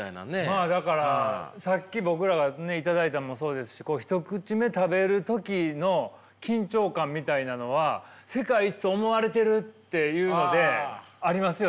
まあだからさっき僕らが頂いたのもそうですしこう１口目食べる時の緊張感みたいなのは世界一と思われてるっていうのでありますよね。